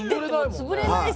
潰れないし。